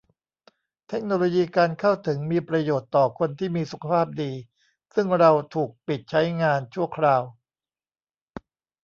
เทคโนโลยีการเข้าถึงมีประโยชน์ต่อคนที่มีสุขภาพดีซึ่งเราถูกปิดใช้งานชั่วคราว